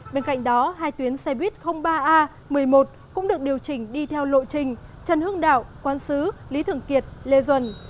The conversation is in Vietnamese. bên cạnh đó hai tuyến xe buýt ba a một mươi một cũng được điều chỉnh đi theo lộ trình trần hương đạo quán sứ lý thượng kiệt lê duẩn